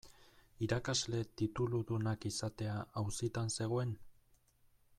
Irakasle tituludunak izatea auzitan zegoen?